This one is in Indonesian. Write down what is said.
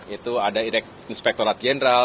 itu ada direktur inspektorat jeneral